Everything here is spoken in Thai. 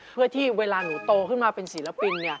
เพื่อที่เวลาหนูโตขึ้นมาเป็นศิลปิน